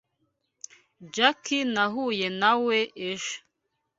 Jack nahuye nawe ejo.